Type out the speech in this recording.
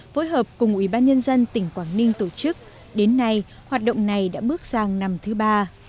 với hợp cùng ủy ban nhân dân tỉnh quảng ninh tổ chức đến nay hoạt động này đã bước sang năm thứ ba